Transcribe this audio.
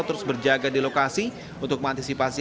terus berjaga di lokasi untuk mengantisipasi